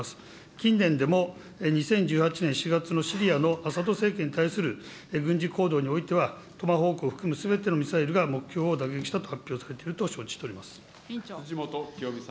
近年でも２０１８年４月のシリアのアサド政権に対する軍事行動においては、トマホークを含むすべてのミサイルが目標を打撃したと発表されて辻元清美さん。